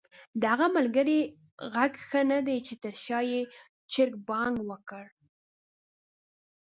د هغه ملګري ږغ ښه ندی چې تر شا ېې چرګ بانګ وکړ؟!